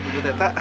bu bu teta